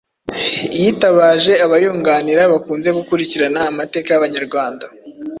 yitabaje abayunganira bakunze gukurikirana amateka y'Abanyarwanda